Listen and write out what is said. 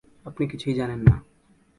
আপনি কিছুই জানেন না?